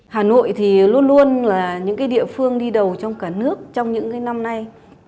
hà nội thì luôn luôn là những địa phương đi đầu trong cả nước trong những năm nay